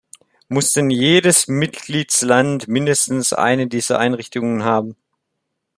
Muss denn jedes Mitgliedsland mindestens eine dieser Einrichtungen haben?